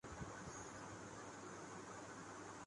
اوریہ کہ وہ تصادم کی نہیں، اصلاح کی بات کررہی ہے۔